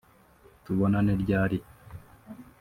tubonane ryari